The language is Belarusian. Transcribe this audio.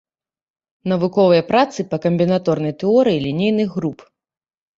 Навуковыя працы па камбінаторнай тэорыі лінейных груп.